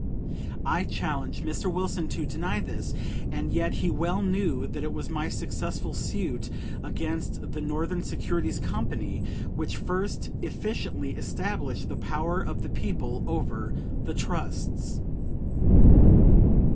I challenge Mr. Wilson to deny this, and yet he well knew that it was my successful suit against the Northern Securities Company which first efficiently established the power of the people over the trusts.